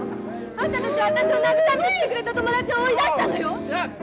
あんたたち私を慰めに来てくれた友達を追い出したのよ！